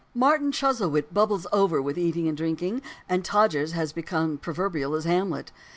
Martin Chuzzlewit bubbles over with eating and drinking; and "Todgers" has become as proverbial as Hamlet.